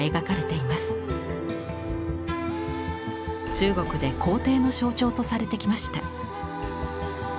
中国で皇帝の象徴とされてきました。